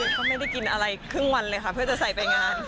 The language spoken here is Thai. ก็ไม่ได้กินอะไรครึ่งวันเลยค่ะเพื่อจะใส่ไปงาน